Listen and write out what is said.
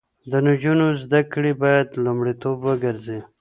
د نجونو زده کړې باید لومړیتوب وګرځي.